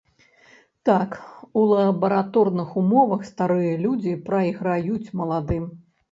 Так, у лабараторных умовах старыя людзі прайграюць маладым.